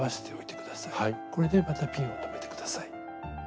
これでまたピンを留めて下さい。